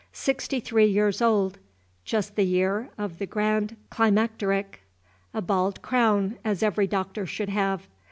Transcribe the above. Sixty three years old, just the year of the grand climacteric. A bald crown, as every doctor should have.